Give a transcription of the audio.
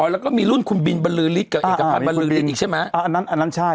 อ๋อแล้วก็มีรุ่นคุณบินบะลือลิกกับเอกภัณฑ์บะลือลิกอีกใช่ไหมอ่าอันนั้นอันนั้นใช่